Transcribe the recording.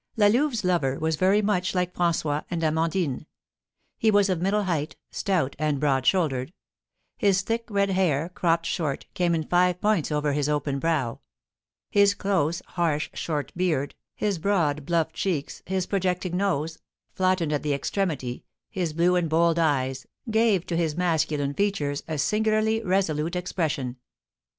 La Louve's lover was very much like François and Amandine. He was of middle height, stout, and broad shouldered; his thick red hair, cropped short, came in five points over his open brow; his close, harsh, short beard, his broad, bluff cheeks, his projecting nose, flattened at the extremity, his blue and bold eyes, gave to his masculine features a singularly resolute expression.